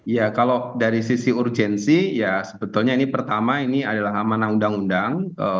ya kalau dari sisi urgensi ya sebetulnya ini pertama ini adalah amanah undang undang